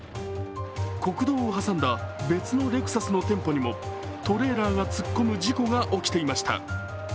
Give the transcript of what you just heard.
国道を挟んだ別のレクサスの店舗にもトレーラーが突っ込む事故が起きていました。